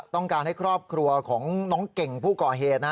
ต้องการให้ครอบครัวของน้องเก่งผู้ก่อเหตุ